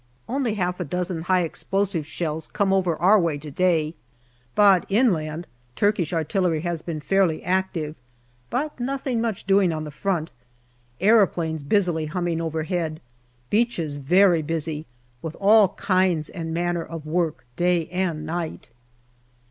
Only half a dozen high explosive shells come over our way to day, but inland Turkish artillery has been fairly active, but nothing much doing on the front. Aeroplanes busily humming overhead. Beaches very busy, with all kinds and manner of work day and night.